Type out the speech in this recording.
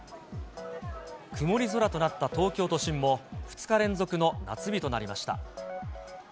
曇り空となった東京都心も、２日連続の夏日となりました。